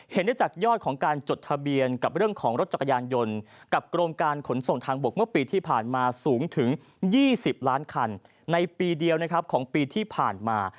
ได้จากยอดของการจดทะเบียนกับเรื่องของรถจักรยานยนต์กับกรมการขนส่งทางบกเมื่อปีที่ผ่านมาสูงถึง๒๐ล้านคันในปีเดียวนะครับของปีที่ผ่านมา